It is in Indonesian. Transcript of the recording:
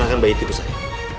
silahkan bayi itu ibu saya